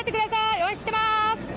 応援してます。